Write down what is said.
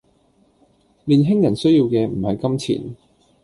年輕人需要嘅唔係金錢